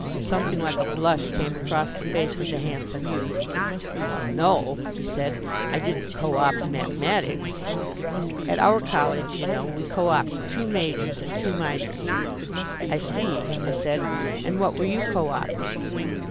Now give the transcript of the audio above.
Something like a blush came across the face of the handsome youth. "Well, no," he said, "I didn't co opt mathematics. At our college, you know, we co opt two majors and two minors." "I see," I said, "and what were you co opting?"